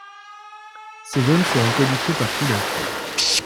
Ces zones seront codifiés par couleurs